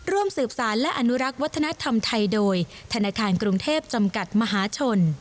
ร่วมสืบสารและอนุรักษ์วัฒนธรรมไทยโดยธนาคารกรุงเทพจำกัดมหาชน